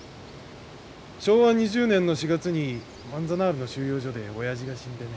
昭和２０年の４月にマンザナールの収容所で親父が死んでね。